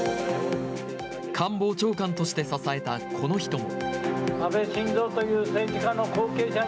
官房長官として支えた、この人も。